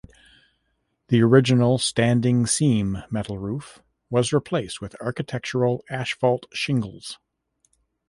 The original standing seam metal roof was replaced with architectural asphalt shingles.